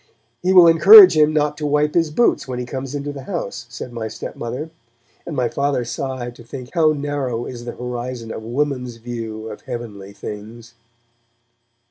'He will encourage him not to wipe his boots when he comes into the house,' said my stepmother, and my Father sighed to think how narrow is the horizon of Woman's view of heavenly things.